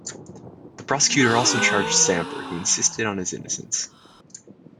The prosecutor also charged Samper, who insisted on his innocence.